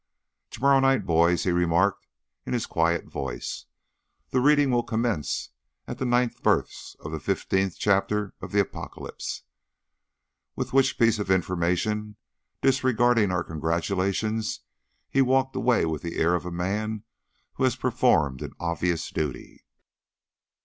"To morrow night, boys," he remarked in his quiet voice, "the reading will commence at the 9th verse of the 15th chapter of the Apocalypse," with which piece of information, disregarding our congratulations, he walked away with the air of a man who has performed an obvious duty.